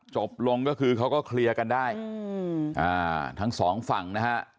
จบลงก็คือเขาก็เคลียร์กันได้ทั้งสองฝั่งนะฮะ